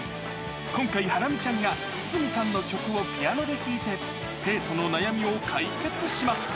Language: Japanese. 今回ハラミちゃんが筒美さんの曲をピアノで弾いて、生徒の悩みを解決します。